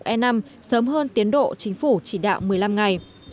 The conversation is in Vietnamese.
xăng sinh học e năm sớm hơn tiến độ chính phủ chỉ đạo một mươi năm ngày